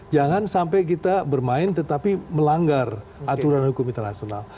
jangan sampai kita bermain tetapi melanggar aturan hukum internasional